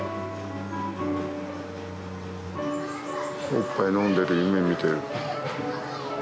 おっぱい飲んでる夢見てる。